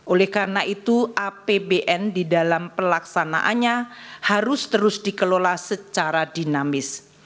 oleh karena itu apbn di dalam pelaksanaannya harus terus dikelola secara dinamis